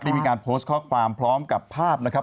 ได้มีการโพสต์ข้อความพร้อมกับภาพนะครับ